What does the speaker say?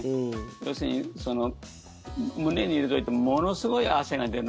要するに胸に入れといてものすごい汗が出る。